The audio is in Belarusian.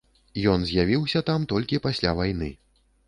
Ён з'явіўся там толькі пасля вайны.